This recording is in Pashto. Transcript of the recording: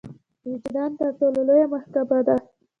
وجدان تر ټولو لويه محکمه ده.